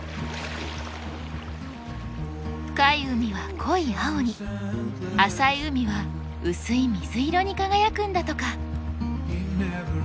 深い海は濃い青に浅い海は薄い水色に輝くんだとか。